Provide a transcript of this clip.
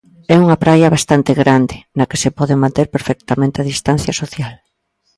É unha praia bastante grande, na que se pode manter perfectamente a distancia social.